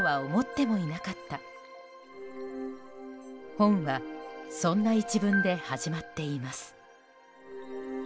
本はそんな１文で始まっています。